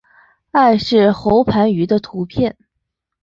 艾氏喉盘鱼的图片